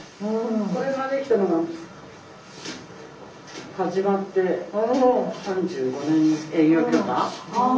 これが出来たのが始まって３５年営業許可。